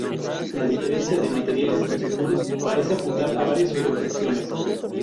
La diferencia de materiales en sus muros parece apuntar a varias reconstrucciones.